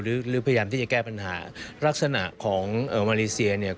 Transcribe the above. หรือพยายามที่จะแก้ปัญหาลักษณะของมาเลเซียเนี่ย